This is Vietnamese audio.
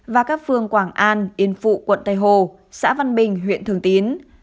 và các phương quảng an yên phụ quận tây hồ xã văn bình huyện thường tín